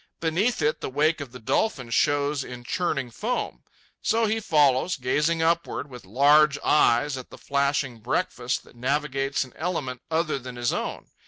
Beneath it, the wake of the dolphin shows in churning foam. So he follows, gazing upward with large eyes at the flashing breakfast that navigates an element other than his own.